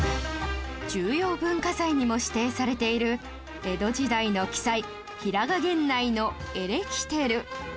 重要文化財にも指定されている江戸時代の奇才平賀源内のエレキテル